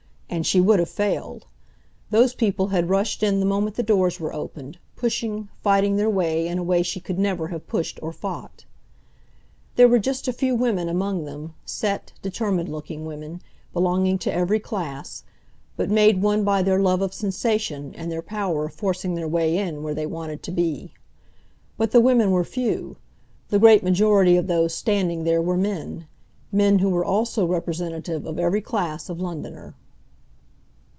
And she would have failed. Those people had rushed in the moment the doors were opened, pushing, fighting their way in a way she could never have pushed or fought. There were just a few women among them, set, determined looking women, belonging to every class, but made one by their love of sensation and their power of forcing their way in where they wanted to be. But the women were few; the great majority of those standing there were men—men who were also representative of every class of Londoner.